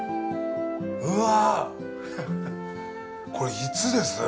うわあ、これ、いつです？